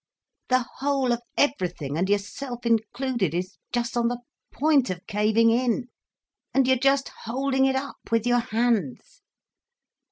The whole of everything, and yourself included, is just on the point of caving in, and you are just holding it up with your hands.